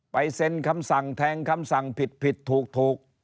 เซ็นคำสั่งแทงคำสั่งผิดผิดถูก